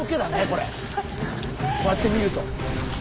こうやって見ると。